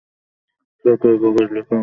সরকারি কাগজ লেখক তোমাকে কাগজে মেরে ফেলেছে।